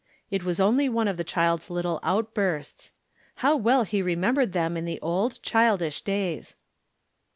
It was only one of the child's little outbursts. How well he remembered them in the old, child ish days.